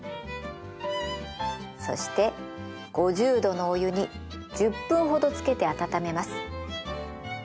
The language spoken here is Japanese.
そして５０℃のお湯に１０分ほど浸けて温めます。